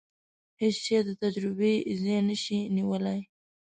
هیڅ شی د تجربې ځای نشي نیولای.